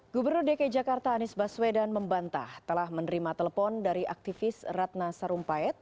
gubernur dki jakarta anies baswedan membantah telah menerima telepon dari aktivis ratna sarumpait